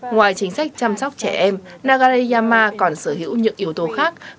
ngoài chính sách chăm sóc trẻ em nagareyama còn sở hữu những yếu tố khác